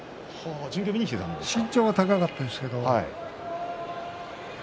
身長は高かったんですけど。